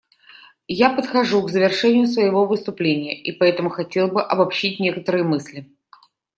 Я подхожу к завершению своего выступления, и поэтому хотел бы обобщить некоторые мысли.